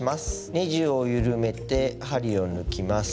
ネジを緩めて針を抜きます。